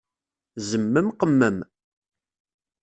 Zemmem, qemmem!